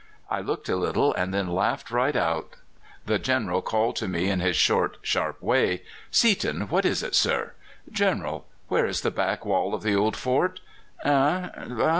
"I looked a little, and then laughed right out. The General called to me in his short, sharp way: "'Seaton, what is it, sir?' "'General, where is the back wall of the old fort?' "'Eh! eh!